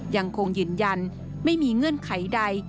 ยังคงยืนยันไม่มีเงื่อนไขใด